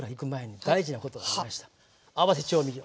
合わせ調味料。